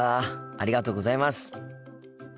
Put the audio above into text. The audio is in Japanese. ありがとうございます。